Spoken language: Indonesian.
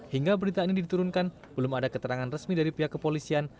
hingga berita ini diturunkan belum ada keterangan resmi dari pihak kepolisian